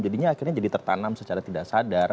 jadinya akhirnya jadi tertanam secara tidak sadar